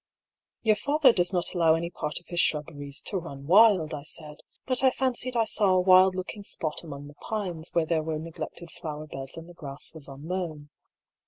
" Your father does not allow any part of his shrub beries to run wild," I said; "but I fancied I saw a wild looking spot among the pines, where there were neglected flower beds and the grass was unmown."